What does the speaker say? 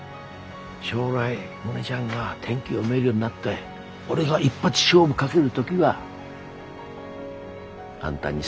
将来モネちゃんが天気読めるようになって俺が一発勝負かける時はあんたに相談する。